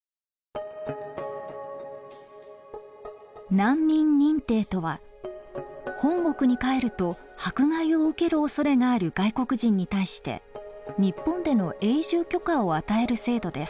難民認定とは本国に帰ると迫害を受けるおそれがある外国人に対して日本での永住許可を与える制度です。